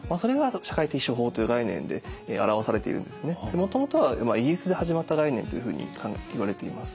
もともとはイギリスで始まった概念というふうにいわれています。